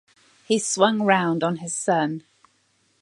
He swung round on his son.